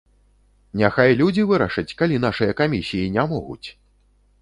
Няхай людзі вырашаць, калі нашыя камісіі не могуць!